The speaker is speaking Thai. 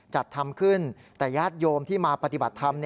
จัดทำขึ้นแต่ญาติโยมที่มาปฏิบัติธรรม